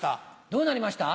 どうなりました？